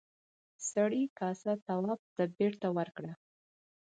سړي کاسه تواب ته بېرته ورکړه.